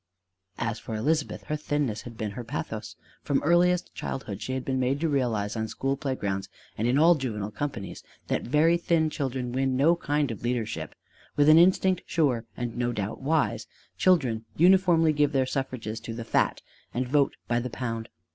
As for Elizabeth, her thinness had been her pathos: from earliest childhood she had been made to realize on school playgrounds and in all juvenile companies that very thin children win no kind of leadership: with an instinct sure and no doubt wise, children uniformly give their suffrages to the fat, and vote by the pound.